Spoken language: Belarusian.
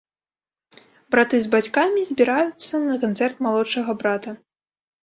Браты з бацькамі збіраюцца на канцэрт малодшага брата.